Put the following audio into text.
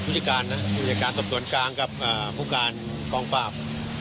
บุรูปศูนย์การนะบุรูปศูนย์การตรวจกลางกับอ่าภูการกองปราบ